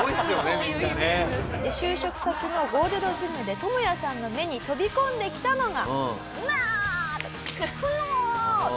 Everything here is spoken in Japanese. で就職先のゴールドジムでトモヤさんの目に飛び込んできたのが。